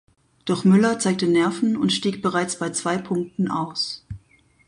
Doch Müller zeigte Nerven und stieg bereits bei zwei Punkten aus.